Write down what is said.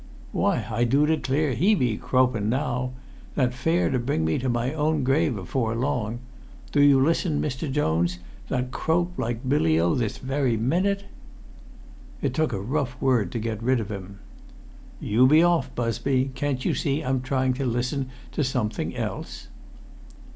"Why, I do declare he be croapun now! That fare to bring me to my own grave afore long. Do you listen, Mr. Jones; that croap like billy oh this very minute!" It took a rough word to get rid of him. [Pg 3]"You be off, Busby. Can't you see I'm trying to listen to something else?"